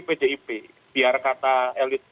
pdip biar kata elit